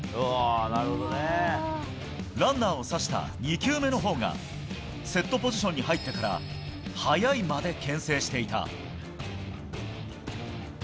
ランナーを刺した２球目のほうがセットポジションに入ってから早い間で牽制していた。